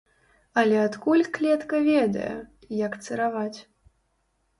Але адкуль клетка ведае, як цыраваць?